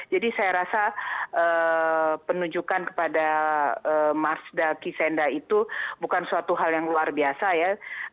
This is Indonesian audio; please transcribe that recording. jadi saya rasa penunjukan kepada marsda kisenda itu bukan suatu hal yang luar biasa ya